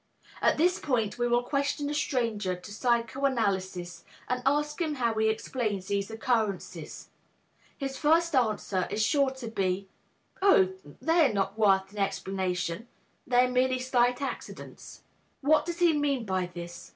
At this point, we will question a stranger to psychoanalysis and ask him how he explains these occurrences. His first answer is sure to be, "Oh, they are not worth an explanation; they are merely slight accidents." What does he mean by this?